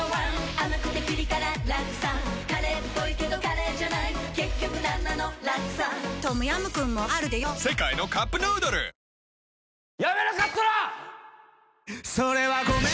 甘くてピリ辛ラクサカレーっぽいけどカレーじゃない結局なんなのラクサトムヤムクンもあるでヨ世界のカップヌードルぬううう！